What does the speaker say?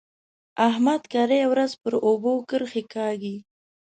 احمد کرۍ ورځ پر اوبو کرښې کاږي.